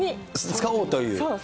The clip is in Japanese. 使おうという？